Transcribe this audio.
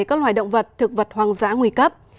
các loài động vật thực vật hoang dã nguy cấp